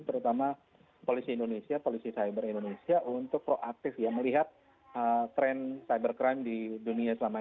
terutama polisi indonesia polisi cyber indonesia untuk proaktif ya melihat tren cybercrime di dunia selama ini